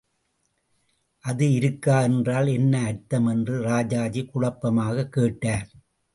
அது இருக்கா என்றால் என்ன அர்த்தம் என்று ராஜாஜி குழப்பமாகக் கேட்டார்.